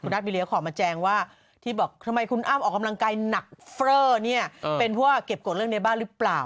รัฐบิเลียขอมาแจงว่าที่บอกทำไมคุณอ้ำออกกำลังกายหนักเฟรอเนี่ยเป็นเพราะว่าเก็บกฎเรื่องในบ้านหรือเปล่า